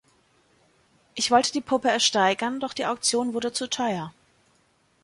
Ich wollte die Puppe ersteigern, doch die Auktion wurde zu teuer.